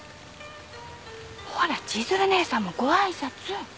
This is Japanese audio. ほら千鶴姉さんもご挨拶。